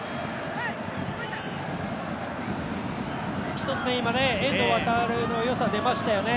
１つ、遠藤航の良さ、出ましたよね。